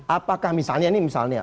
apakah misalnya ini misalnya